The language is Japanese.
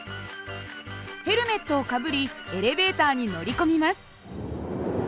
ヘルメットをかぶりエレベーターに乗り込みます。